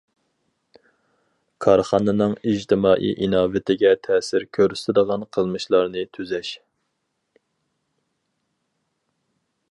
كارخانىنىڭ ئىجتىمائىي ئىناۋىتىگە تەسىر كۆرسىتىدىغان قىلمىشلارنى تۈزەش.